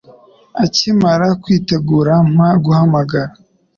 Akimara kwitegura, mpa guhamagara.